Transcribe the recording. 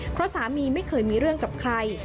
เพราะสามีไม่เคยมีเรื่องกับใคร